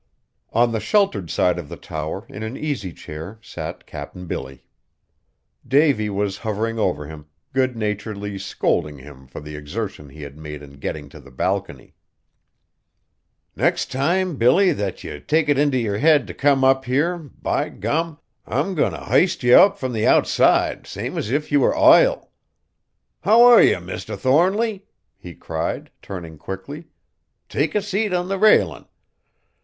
On the sheltered side of the tower, in an easy chair, sat Cap'n Billy. Davy was hovering over him, good naturedly scolding him for the exertion he had made in getting to the balcony. "The next time, Billy, that ye take it in t' yer head t' come up here, by gum! I'm goin' t' hist ye up from the outside, same as if ye war ile! How are ye, Mr. Thornly?" he cried, turning quickly. "Take a seat on the railin'.